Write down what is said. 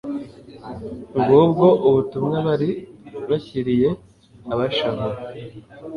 Ngubwo ubutumwa bari bashyiriye abashavuye.